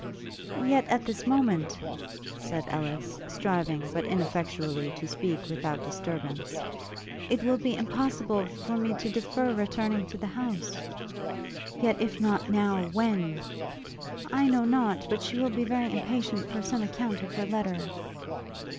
'Yet, at this moment,' said Ellis, striving but ineffectually to speak without disturbance; 'it will be impossible for me to defer returning to the house.' 'Yet if not now, when?' 'I know not but she will be very impatient for some account of her letter.'